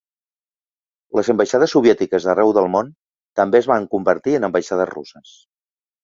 Les ambaixades soviètiques d'arreu del món també es van convertir en ambaixades russes.